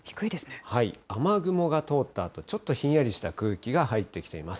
雨雲が通ったあと、ちょっとひんやりした空気が入ってきています。